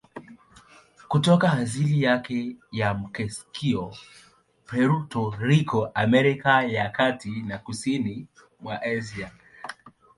Kutoka asili yake ya Meksiko, Puerto Rico, Amerika ya Kati na kusini mwa Asia.